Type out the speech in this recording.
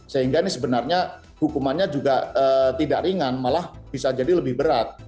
sehingga ini sebenarnya hukumannya juga tidak ringan malah bisa jadi lebih berat